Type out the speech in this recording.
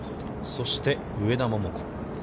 そして上田桃子。